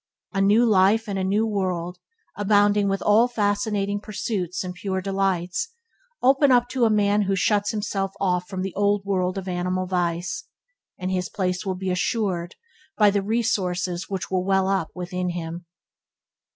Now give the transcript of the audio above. A new life and a new world, abounding with all fascinating pursuits and pure delights, open up to the man who shuts himself off from the old world of animal vice, and his place will be assured by the resources which will well up within him.